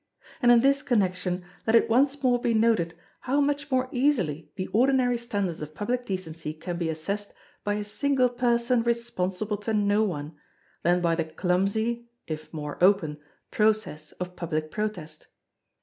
And in this connection let it once more be noted how much more easily the ordinary standards of public decency can be assessed by a single person responsible to no one, than by the clumsy (if more open) process of public protest.